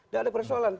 dan ada persoalan